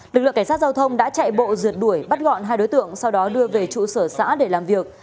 lực lượng cảnh sát giao thông đã chạy bộ rượt đuổi bắt gọn hai đối tượng sau đó đưa về trụ sở xã để làm việc